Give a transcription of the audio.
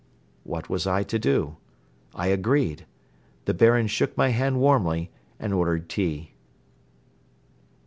What was I to do? I agreed. The Baron shook my hand warmly and ordered tea.